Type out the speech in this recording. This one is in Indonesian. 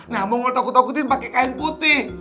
nah monggol takut takutin pakai kain putih